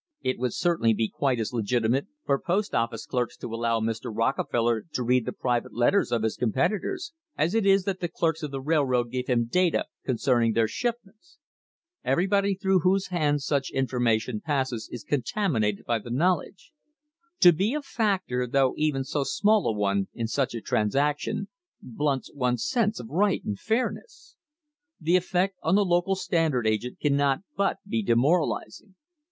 It would certainly be quite as legitimate for post office clerks to allow Mr. Rockefeller to read the private letters of his competitors, as it is that the clerks of a railroad give him data concerning their shipments. Everybody through whose hands such information passes is contaminated by the knowledge. To be a factor, though even so small a one, in such a transaction, blunts one's sense of right and fairness. The effect on the local Standard agent cannot but be demoralising.